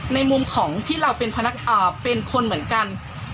ในมุมของที่เราเป็นคนเหมือนกัน